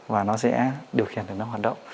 và nó sẽ điều khiển để nó hoạt động